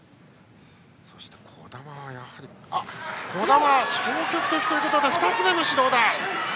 児玉、消極的ということで２つ目の指導だ。